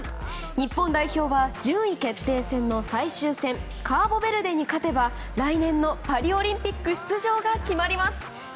日本代表は順位決定戦の最終戦カーボベルデに勝てば来年のパリオリンピック出場が決まります。